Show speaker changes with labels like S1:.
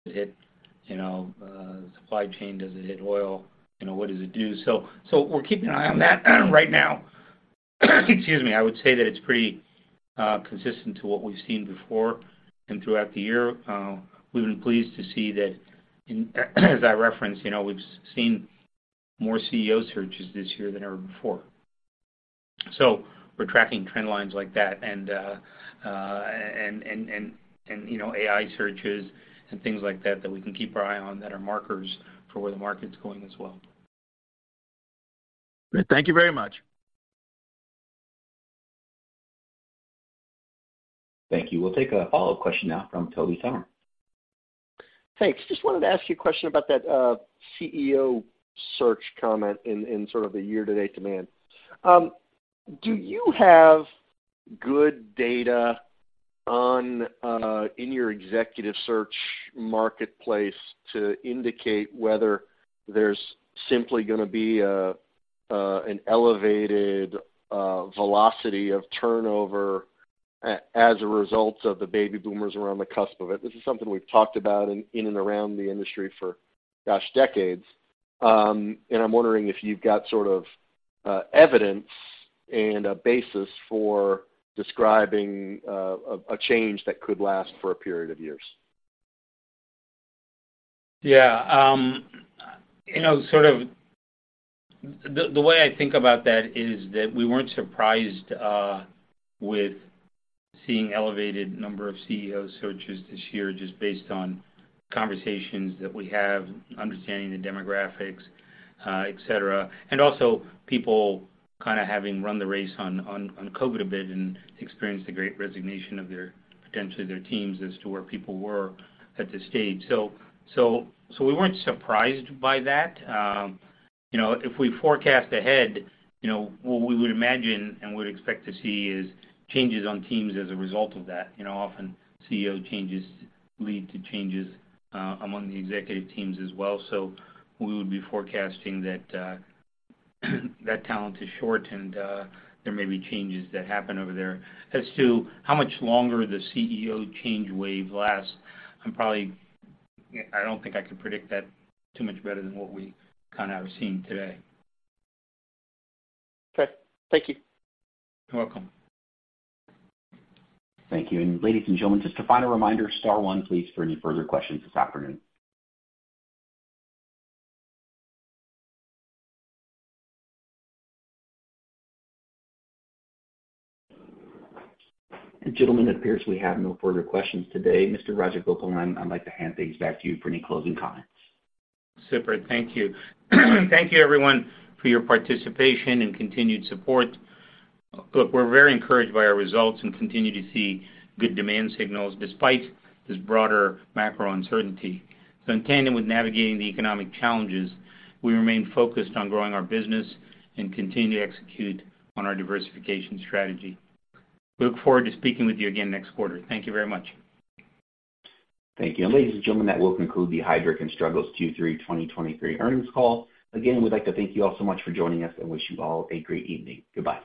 S1: Does it hit, you know, supply chain? Does it hit oil? You know, what does it do? So we're keeping an eye on that right now. Excuse me. I would say that it's pretty consistent to what we've seen before and throughout the year. We've been pleased to see that, as I referenced, you know, we've seen more CEO searches this year than ever before. So we're tracking trend lines like that, and you know, AI searches and things like that, that we can keep our eye on, that are markers for where the market's going as well.
S2: Thank you very much.
S3: Thank you. We'll take a follow-up question now from Tobey Sommer.
S4: Thanks. Just wanted to ask you a question about that, CEO search comment in sort of the year-to-date demand. Do you have good data on in your executive search marketplace to indicate whether there's simply gonna be a an elevated velocity of turnover as a result of the baby boomers around the cusp of it? This is something we've talked about in and around the industry for, gosh, decades. And I'm wondering if you've got sort of evidence and a basis for describing a change that could last for a period of years.
S1: Yeah. You know, sort of the way I think about that is that we weren't surprised with seeing elevated number of CEO searches this year, just based on conversations that we have, understanding the demographics, et cetera. And also people kinda having run the race on COVID a bit and experienced a Great Resignation of potentially their teams as to where people were at this stage. So, we weren't surprised by that. You know, if we forecast ahead, you know, what we would imagine and would expect to see is changes on teams as a result of that. You know, often CEO changes lead to changes among the executive teams as well. So, we would be forecasting that that talent is short and there may be changes that happen over there. As to how much longer the CEO change wave lasts, I'm probably-- I don't think I could predict that too much better than what we kind of are seeing today.
S4: Okay. Thank you.
S1: You're welcome.
S3: Thank you. And ladies and gentlemen, just a final reminder, star one, please, for any further questions this afternoon. And gentlemen, it appears we have no further questions today. Mr. Krishnan Rajagopalan, I'd like to hand things back to you for any closing comments.
S1: Super. Thank you. Thank you, everyone, for your participation and continued support. Look, we're very encouraged by our results and continue to see good demand signals despite this broader macro uncertainty. So in tandem with navigating the economic challenges, we remain focused on growing our business and continue to execute on our diversification strategy. We look forward to speaking with you again next quarter. Thank you very much.
S3: Thank you. Ladies and gentlemen, that will conclude the Heidrick & Struggles Q3 2023 Earnings Call. Again, we'd like to thank you all so much for joining us, and wish you all a great evening. Goodbye.